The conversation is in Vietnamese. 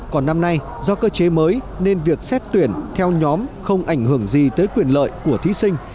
còn năm nay do cơ chế mới nên việc xét tuyển theo nhóm không ảnh hưởng gì tới quyền lợi của thí sinh